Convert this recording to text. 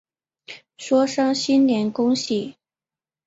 说声新年恭喜